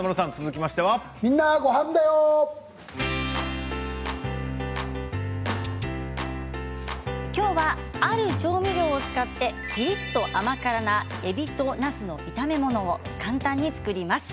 きょうはある調味料を使ってピリっと甘辛なえびとなすの炒め物を簡単に作ります。